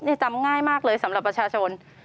นี่จำง่ายมากเลยสำหรับประชาชน